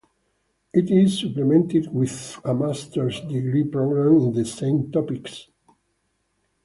It is supplemented with a Master's degree program in the same topics.